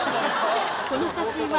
この写真は。